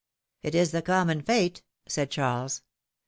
^' It is the common fate,^' said Charles.